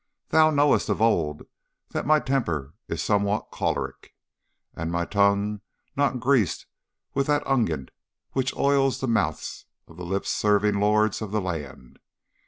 'Thou knowest of old that my temper is somewhat choleric, and my tongue not greased with that unguent which oils the mouths of the lip serving lords of the land.